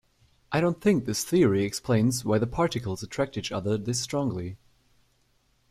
I don't think this theory explains why the particles attract each other this strongly.